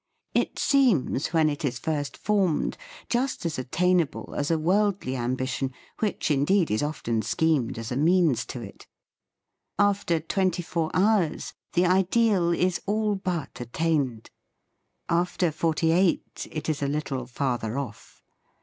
It seems, when it is first formed, just as attainable as a worldly ambition which indeed is often schemed as a means to it. After twen THE FEAST OF ST FRIEND ty foiir hours, the ideal is all but at tained. After forty eight, it is a little farther off.